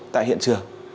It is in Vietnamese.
tại hiện trường